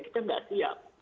kita tidak siap